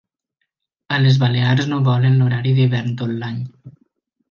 A les Balears no volen l'horari d'hivern tot l'any